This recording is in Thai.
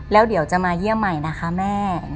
แล้วเดี๋ยวจะมาเยี่ยมใหม่นะคะแม่